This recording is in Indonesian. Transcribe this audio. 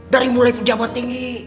dari mulai pejabat tinggi